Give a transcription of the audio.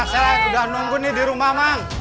anak saya udah nunggu nih di rumah bang